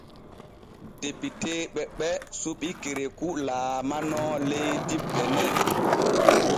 Depiteeɓe ɓe suɓi Kerekou laalano leydi Bene.